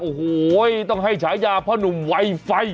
โอ้โฮต้องให้ใช้ยาผ้านุ่มไวไฟ